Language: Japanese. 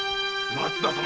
松田様